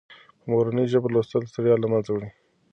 په مورنۍ ژبه لوستل ستړیا له منځه وړي.